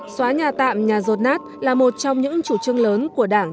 xóa nhà tạm nhà rột nát là một trong những chủ trương lớn của đảng